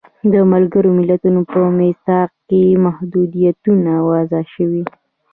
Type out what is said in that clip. د ملګرو ملتونو په میثاق کې محدودیتونه وضع شوي.